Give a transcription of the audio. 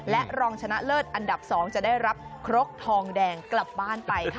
และรองชนะเลิศอันดับ๒จะได้รับครกทองแดงกลับบ้านไปค่ะ